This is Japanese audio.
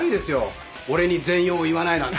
俺に全容を言わないなんて。